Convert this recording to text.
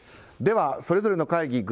では、それぞれの会議